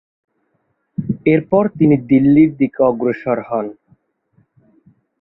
এরপর তিনি দিল্লির দিকে অগ্রসর হন।